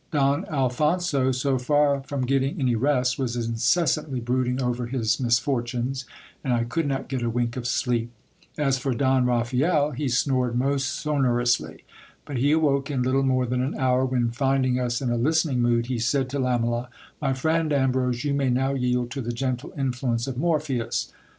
Don Alphonso, so far from getting any rest, was incessantly brooding over his Misfortunes, and I could not get a wink of sleep. As for Don Raphael, he snored most sonorously. But he awoke in little more than an hour, when, find rig us in a listening mood, he said to Lamela — My friend Ambrose, you may paw yield to the gentle influence of Morpheus.